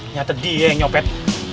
nyata dia yang nyopet